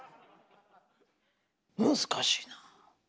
難しいなあ！